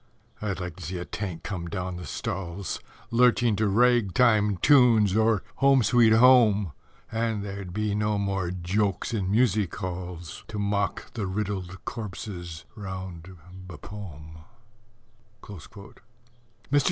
I'd like to see a Tank come down the stalls, Lurching to rag time tunes, or "Home, sweet Home," And there'd be no more jokes in Music halls To mock the riddled corpses round Bapaume. Mr.